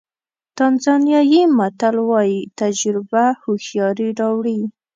تانزانیایي متل وایي تجربه هوښیاري راوړي.